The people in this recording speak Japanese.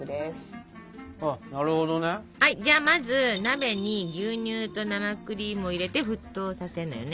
じゃまず鍋に牛乳と生クリームを入れて沸騰させるのよね。